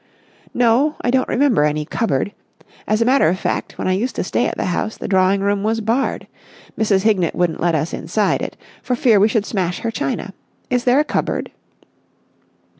"No, I don't remember any cupboard. As a matter of fact, when I used to stay at the house the drawing room was barred. Mrs. Hignett wouldn't let us inside it for fear we should smash her china. Is there a cupboard?"